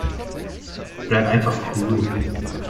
Bleib einfach cool.